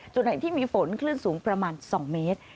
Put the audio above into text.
จุดไหนที่มีฝนคลื่นสูงประมาณ๒เมตร